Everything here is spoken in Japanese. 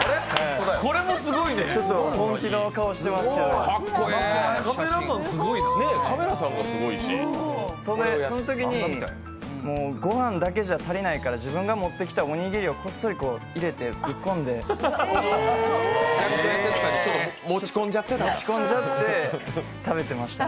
本気の顔してますけど、ちょっとそのときにご飯だけじゃ足りないから自分が持ってきたおにぎりをこっそりぶっ込んで、持ち込んじゃって食べてましたね。